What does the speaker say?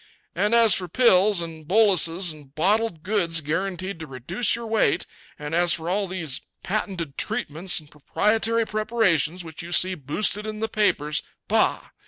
"And as for pills and boluses and bottled goods guaranteed to reduce your weight, and as for all these patented treatments and proprietary preparations which you see boosted in the papers bah!